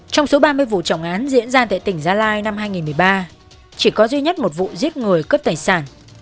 trong số ba mươi vụ trọng án diễn ra tại tỉnh gia lai năm hai nghìn một mươi ba chỉ có duy nhất một vụ giết người cướp tài sản